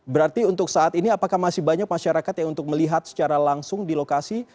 berarti untuk saat ini apakah masih banyak masyarakat yang untuk melihat secara langsung di lokasi